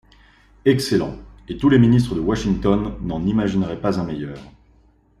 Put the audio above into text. Excellent, et tous les ministres de Washington n’en imagineraient pas un meilleur.